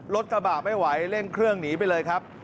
กระบะไม่ไหวเร่งเครื่องหนีไปเลยครับ